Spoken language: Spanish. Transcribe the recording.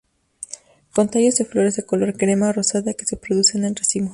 Con tallos de flores de color crema o rosadas que se producen en racimos.